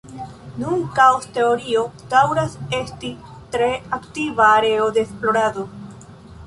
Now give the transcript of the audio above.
Nun, kaos-teorio daŭras esti tre aktiva areo de esplorado.